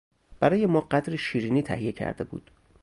برای ما قدری شیرینی تهیه کرده بود.